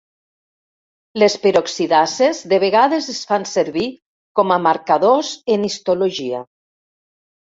Les peroxidases de vegades es fan servir com a marcadors en histologia.